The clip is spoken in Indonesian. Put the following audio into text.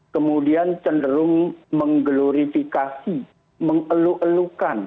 kemudian cenderung menggelurifikasi mengeluk elukan